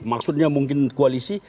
maksudnya mungkin koalisi